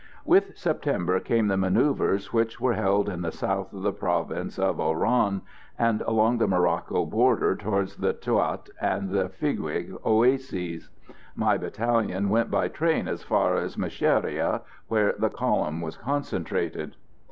With September came the manoeuvres which were held in the south of the province of Oran, and along the Morocco frontier towards the Tuat and the Figuig oases. My battalion went by train as far as Mecheria, where the column was concentrated.